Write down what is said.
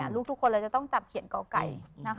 ลูกทุกคนจะต้องจับเขียนเกาะไก่